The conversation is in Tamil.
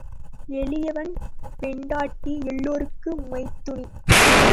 எளியவன் பெண்டாட்டி எல்லோருக்கும் மைத்துனி.